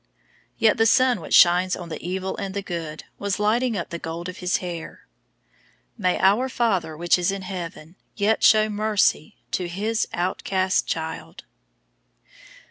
Yet the sun which shines "on the evil and the good" was lighting up the gold of his hair. May our Father which is in heaven yet show mercy to His outcast child!